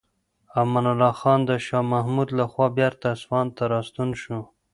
امان الله خان د شاه محمود لخوا بیرته اصفهان ته راستون شو.